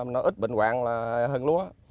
nó ít bệnh hoạn hơn lúa